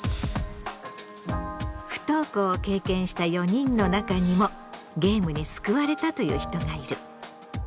不登校を経験した４人の中にもゲームに救われたという人がいる。